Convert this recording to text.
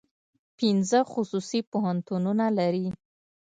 پنځه خصوصي پوهنتونونه لري.